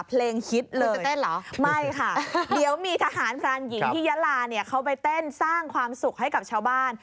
ฮิตเลยจะเต้นเหรอไม่ค่ะเดี๋ยวมีทหารพรานหญิงที่ยะลาเนี่ยเขาไปเต้นสร้างความสุขให้กับชาวบ้าน